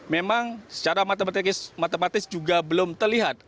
memang secara matematis juga belum terlihat